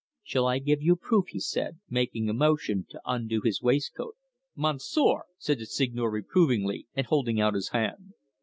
"Shall I give you proof?" he said, making a motion to undo his waistcoat. "Monsieur!" said the Seigneur reprovingly, and holding out his hand.